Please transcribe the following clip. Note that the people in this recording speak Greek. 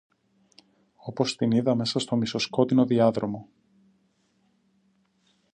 όπως την είδα μέσα στο μισοσκότεινο διάδρομο.